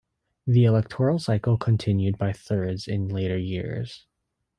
The electoral cycle continued by thirds in later years.